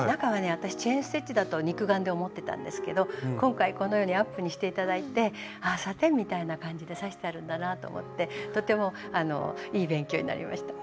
私チェーン・ステッチだと肉眼で思ってたんですけど今回このようにアップにして頂いてサテンみたいな感じで刺してあるんだなと思ってとてもいい勉強になりました。